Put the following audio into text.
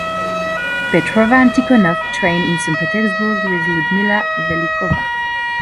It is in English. Petrova and Tikhonov trained in Saint Petersburg with Ludmila Velikova.